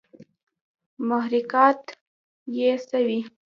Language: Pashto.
محرکات ئې څۀ وي